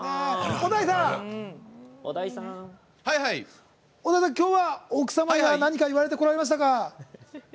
小田井さん、きょうは奥様には何か言われて来られましたか？